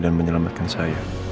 dan menyelamatkan saya